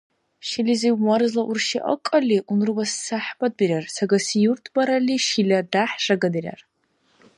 Шилизив марзла урши акӀалли, унрубас сяхӀбат бирар, сагаси юрт баралли, шила дяхӀ жагадирар.